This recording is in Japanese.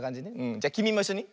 じゃきみもいっしょに。